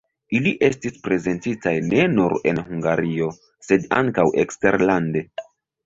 Ili estis prezentitaj ne nur en Hungario, sed ankaŭ eksterlande.